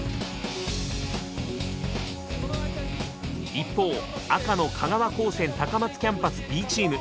一方赤の香川高専高松キャンパスＢチーム。